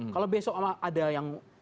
kalau besok ada yang